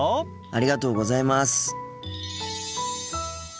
ありがとうございます。